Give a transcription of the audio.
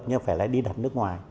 nhưng phải lại đi đặt nước ngoài